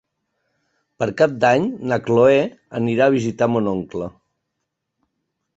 Per Cap d'Any na Cloè anirà a visitar mon oncle.